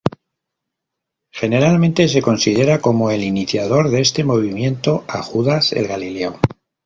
Generalmente se considera como el iniciador de este movimiento a Judas el Galileo.